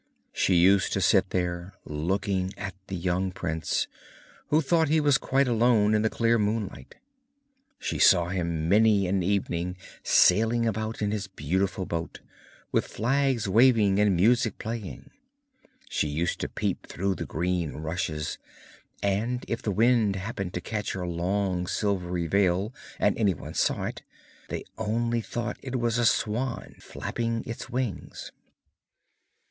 She used to sit here looking at the young prince, who thought he was quite alone in the clear moonlight. She saw him many an evening sailing about in his beautiful boat, with flags waving and music playing; she used to peep through the green rushes, and if the wind happened to catch her long silvery veil and any one saw it, they only thought it was a swan flapping its wings.